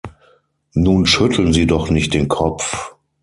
Nun schütteln Sie doch nicht den Kopf!